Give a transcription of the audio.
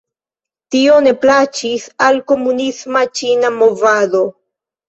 Tio ne plaĉis al komunisma ĉina movado.